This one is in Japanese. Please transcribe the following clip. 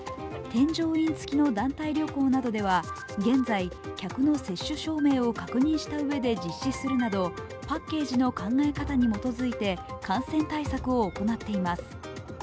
添乗員つきの団体旅行などでは現在、客の接種証明を確認したうえで実施するなど、パッケージの考え方に基づいて感染対策を行っています。